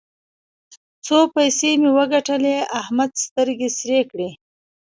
څو پيسې مې وګټلې؛ احمد سترګې سرې کړې.